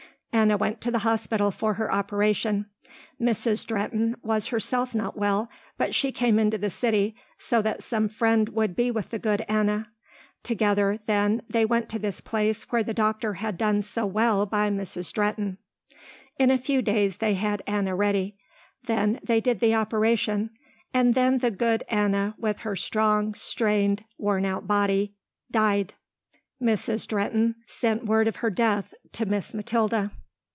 Anna went to the hospital for her operation. Mrs. Drehten was herself not well but she came into the city, so that some friend would be with the good Anna. Together, then, they went to this place where the doctor had done so well by Mrs. Drehten. In a few days they had Anna ready. Then they did the operation, and then the good Anna with her strong, strained, worn out body died. Mrs. Drehten sent word of her death to Miss Mathilda.